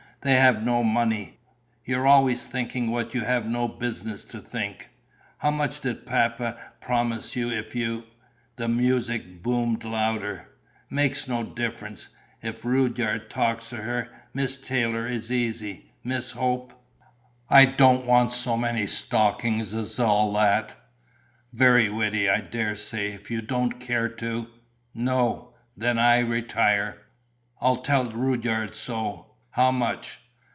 "They have no money. You're always thinking what you have no business to think." "How much did Papa promise you if you...." The music boomed louder. "... makes no difference.... If Rudyard talks to her.... Miss Taylor is easy.... Miss Hope...." "I don't want so many stockings as all that." "... very witty, I dare say.... If you don't care to...." "No." "... then I retire.... I'll tell Rudyard so.... How much?"